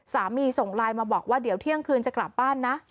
ส่งไลน์มาบอกว่าเดี๋ยวเที่ยงคืนจะกลับบ้านนะ